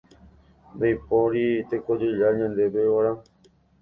Ndaipóiri tekojoja ñandéve g̃uarã.